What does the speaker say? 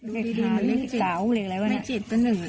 ดูดีดีแม่จิต